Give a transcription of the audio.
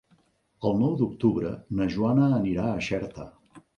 El nou d'octubre na Joana anirà a Xerta.